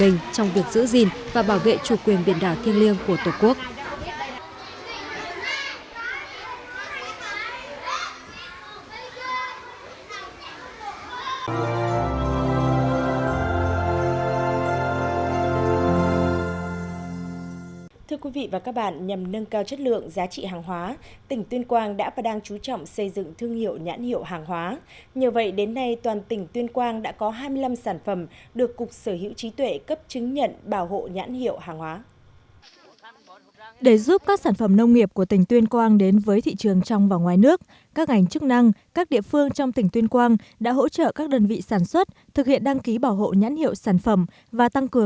nhờ vậy đến nay toàn tỉnh tuyên quang đã có hai mươi năm sản phẩm được cục sở hữu trí tuệ cấp chứng nhận bảo hộ nhãn hiệu hàng hóa